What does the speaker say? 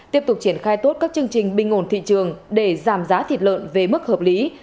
tiếp tục triển khai tốt các chương trình bình ổn thị trường để giảm giá thịt lợn về mức hợp lý